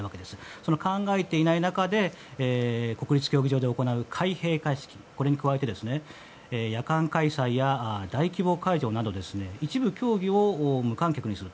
その考えていない中で国立競技場で行う開閉会式に加えて夜間開催や大規模会場など一部競技を無観客にする。